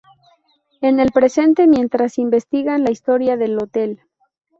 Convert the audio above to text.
En el presente mientras investigan la historia del hotel.